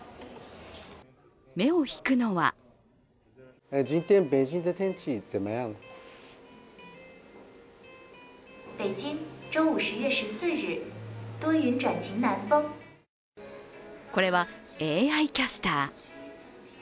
目を引くのはこれはＡＩキャスター。